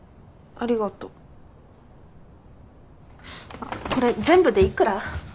あっこれ全部で幾ら？